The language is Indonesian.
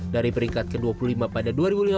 dari peringkat ke dua puluh lima pada dua ribu lima belas